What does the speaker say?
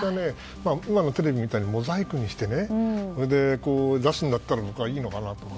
今のテレビみたいにモザイクにして出すんだったら僕はいいのかなと思う。